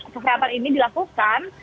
kesehatan ini dilakukan